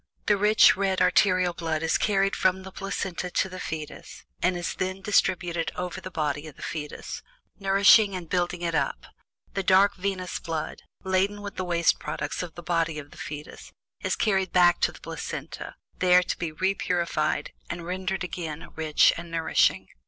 The rich red arterial blood is carried from the placenta to the fetus, and is then distributed over the body of the fetus, nourishing and building it up; the dark venous blood, laden with the waste products of the body of the fetus, is carried back to the placenta, there to be repurified and rendered again rich and nourishing.